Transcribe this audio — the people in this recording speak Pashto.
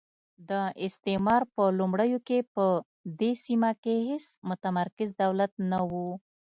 د استعمار په لومړیو کې په دې سیمه کې هېڅ متمرکز دولت نه وو.